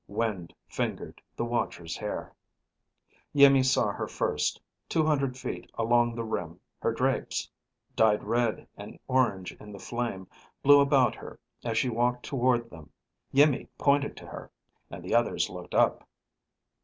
Wind fingered the watchers' hair. Iimmi saw her first, two hundred feet along the rim. Her drapes, died red and orange in the flame, blew about her as she walked toward them. Iimmi pointed to her, and the others looked up.